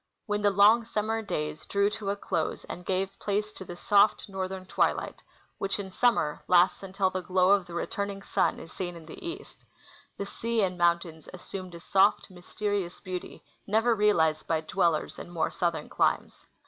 When the long summer days drew to a close and gave place to the soft northern twilight, which in summer lasts until the glow of the returning sun is seen in the east, the sea and mountains assumed a soft, myste rious beauty never realized by dwellers in more southern climes.